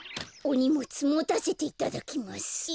おにもつもたせていただきます。